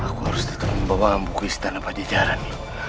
aku harus tetap membawa ambu ke istana pajajaran